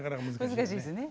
難しいですね。